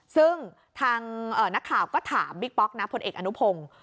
ซึ่งทางนักข่าวก็ถามบิ๊กป๊อกนะพลเอกอนุพงศ์